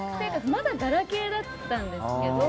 まだガラケーだったんですけど。